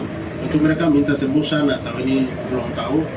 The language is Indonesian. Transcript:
apakah mereka minta tembusan atau ini belum tahu